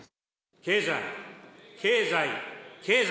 経済、経済、経済。